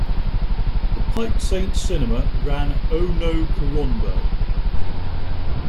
The Pike Saint Cinema ran O No Corondo!